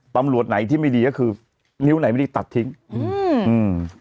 ตำรวจไหนที่ไม่ดีก็คือนิ้วไหนไม่ดีตัดทิ้งอืมอืม